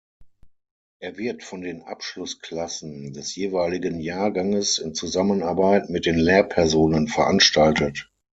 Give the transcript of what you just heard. Er wird von den Abschlussklassen des jeweiligen Jahrganges in Zusammenarbeit mit den Lehrpersonen veranstaltet.